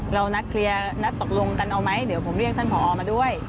เรานัดเคลียร์นัดตกลงกันเอาไหมเดี๋ยวผมเรียกท่านผอมาด้วย